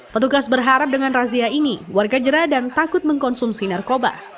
petugas berharap dengan razia ini warga jera dan takut mengkonsumsi narkoba